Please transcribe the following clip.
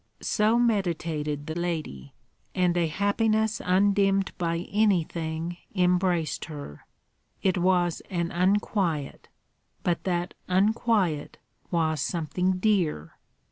So meditated the lady; and a happiness undimmed by anything embraced her. It was an unquiet; but that unquiet was something dear.